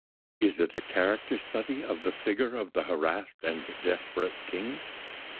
Is it a character study of the figure of the harassed and desperate king?